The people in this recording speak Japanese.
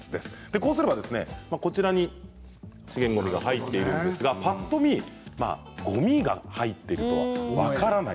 こうすれば、こちらに資源ごみが入っているんですがぱっと見ごみが入っているとは分からない